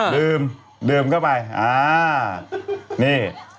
ดื่มดื่มเข้าไปอ่านี่